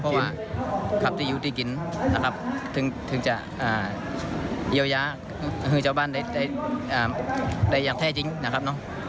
เพราะว่าขับดีอยู่ดีกินถึงจะเยียวยาฮือเจ้าบ้านได้อย่างแท่จริงนะครับ